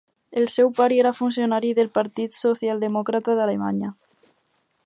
El seu pare era funcionari del partit Socialdemòcrata d'Alemanya.